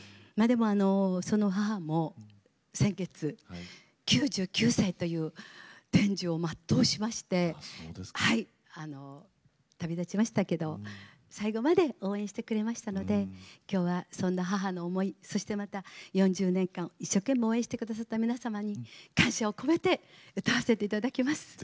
まあでもその母も先月９９歳という天寿を全うしまして旅立ちましたけど最後まで応援してくれましたので今日はそんな母の思いそしてまた４０年間一生懸命応援して下さった皆様に感謝を込めて歌わせて頂きます。